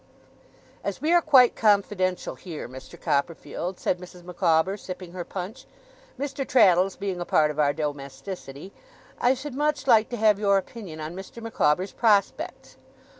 'As we are quite confidential here, Mr. Copperfield,' said Mrs. Micawber, sipping her punch, 'Mr. Traddles being a part of our domesticity, I should much like to have your opinion on Mr. Micawber's prospects.